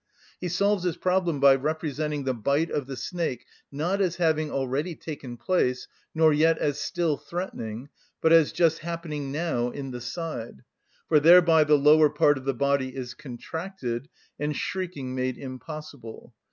He solves this problem by representing the bite of the snake, not as having already taken place, nor yet as still threatening, but as just happening now in the side; for thereby the lower part of the body is contracted, and shrieking made impossible.